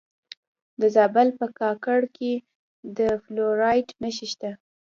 د زابل په کاکړ کې د فلورایټ نښې شته.